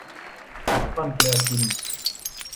กัดก้อนเกลือกิน